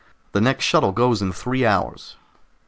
The next shuttle goes in three hours."